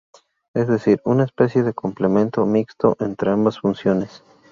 Es decir, una especie de complemento mixto entre ambas funciones.